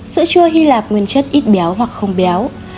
ba sữa chua hy lạc nguyên chất ít béo hoặc không béo